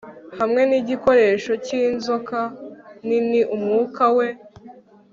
Hamwe nigikoresho cyinzoka nini umwuka we